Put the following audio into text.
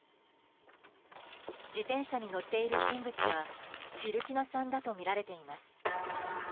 自転車に乗っている人物はフィルキナさんだとみられています。